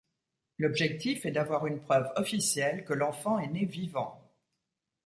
L'objectif est d'avoir une preuve officielle que l'enfant est né vivant.